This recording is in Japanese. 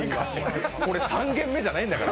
これ、３軒目じゃないんだから。